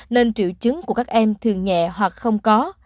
nên triệu chứng của các em thường nhẹ hoặc không có